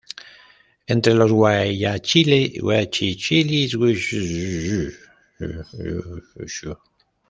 Entre los guachichiles de allí había muchos de los llamados negritos.